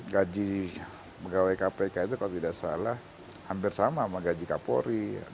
gaji pegawai kpk itu kalau tidak salah hampir sama sama gaji kapolri